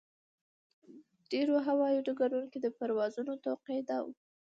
ډېرو هوایي ډګرونو کې د پروازونو توقع دا وي.